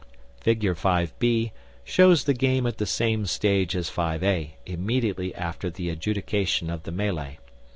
Figure 5b shows the game at the same stage as 5a, immediately after the adjudication of the melee.